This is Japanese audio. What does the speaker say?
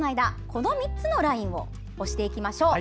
この３つのラインを押していきましょう。